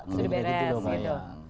sudah beres gitu